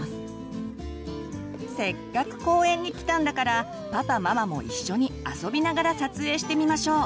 せっかく公園に来たんだからパパママも一緒に遊びながら撮影してみましょう。